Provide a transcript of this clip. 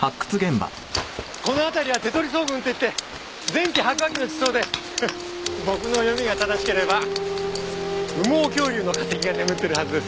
この辺りは手取層群といって前期白亜紀の地層で僕の読みが正しければ羽毛恐竜の化石が眠ってるはずです。